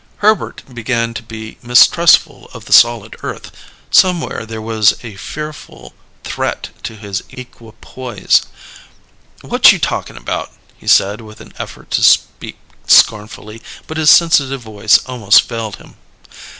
Herbert began to be mistrustful of the solid earth: somewhere there was a fearful threat to his equipoise. "What you talkin' about?" he said with an effort to speak scornfully; but his sensitive voice almost failed him.